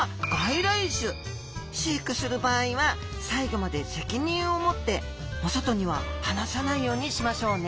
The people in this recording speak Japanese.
飼育する場合は最後まで責任を持ってお外には放さないようにしましょうね！